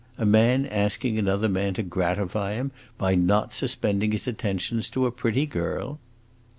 a man asking another man to gratify him by not suspending his attentions to a pretty girl!"